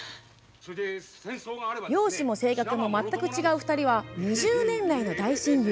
容姿も性格も全く違う２人は２０年来の大親友。